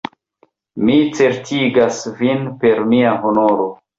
Mi certigas vin per mia honoro!